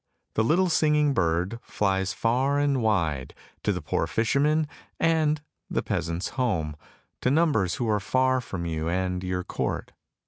The little singing bird flies far and wide, to the poor fisherman, and the peasant's home, to numbers who are far from you and your court.